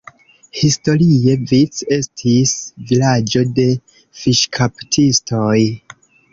Historie Vic estis vilaĝo de fiŝkaptistoj.